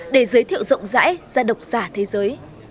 để giới thiệu rộng rãi ra độc giả thế giới